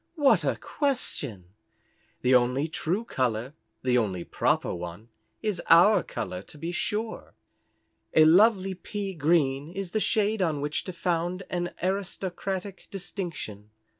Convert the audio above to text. "What a question! The only true colour the only proper one is our colour to be sure. A lovely pea green is the shade on which to found an aristocratic distinction.